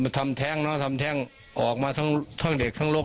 ทำแท้งเนอะทำแท้งออกมาทั้งเด็กทั้งรก